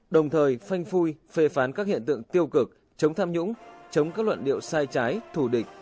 đồng thời phanh phui phê phán các hiện tượng tiêu cực chống tham nhũng chống các luận điệu sai trái thù địch